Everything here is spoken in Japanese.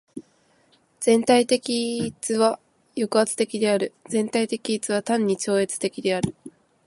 全体的一は抑圧的である。全体的一は単に超越的である。